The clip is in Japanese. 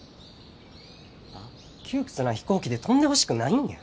窮屈な飛行機で飛んでほしくないんや。